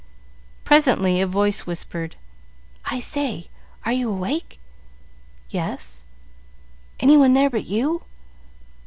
Presently a voice whispered, "I say! Are you awake?" "Yes." "Any one there but you?"